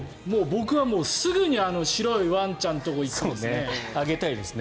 僕はすぐに白いワンちゃんのところに行きますね。